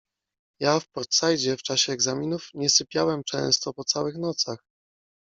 Ja w Port-Saidzie w czasie egzaminów nie sypiałem często po całych nocach